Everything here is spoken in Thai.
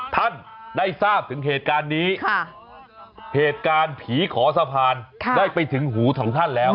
ท่านได้ทราบถึงเหตุการณ์นี้เหตุการณ์ผีขอสะพานได้ไปถึงหูของท่านแล้ว